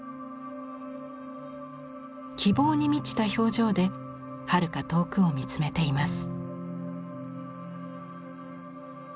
希望に満ちた表情ではるか遠くを見つめています。